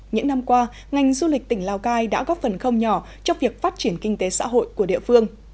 những năm qua ngành du lịch tỉnh lào cai đã góp phần không nhỏ trong việc phát triển kinh tế xã hội của địa phương